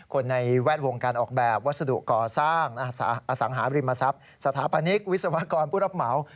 ในแวดวงการออกแบบวัสดุก่อสร้างอสังหาบริมทรัพย์สถาปนิกวิศวกรผู้รับเหมา